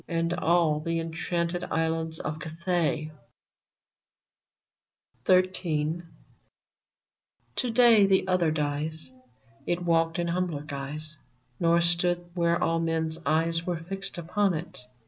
And all the enchanted islands of Cathay ! VERMONT 123 XIII. To day the other dies. It walked in humbler guise, Nor stood where all men's eyes Were fixed upon it.